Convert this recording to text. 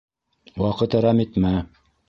Ваҡыт әрәм итмә!